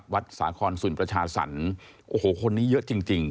วัดสาคอนสุนประชาศันทร์โอ้โหคนนี้เยอะจริง